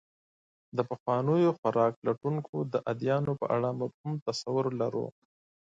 د پخوانیو خوراک لټونکو د ادیانو په اړه مبهم تصور لرو.